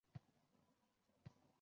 Oradan bir kun oʻtib, sovuq xabar keldi.